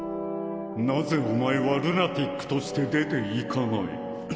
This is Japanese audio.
なぜお前はルナティックとして出ていかない。